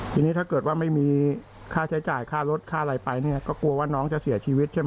ทีนี้ถ้าเกิดว่าไม่มีค่าใช้จ่ายค่ารถค่าอะไรไปเนี่ยก็กลัวว่าน้องจะเสียชีวิตใช่ไหม